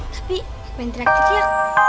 tapi main trik trik ya